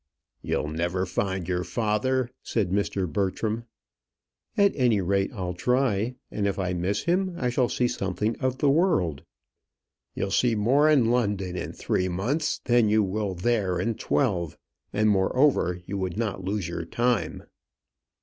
"You'll never find your father," said Mr. Bertram. "At any rate, I'll try; and if I miss him, I shall see something of the world." "You'll see more in London in three months than you will there in twelve; and, moreover, you would not lose your time."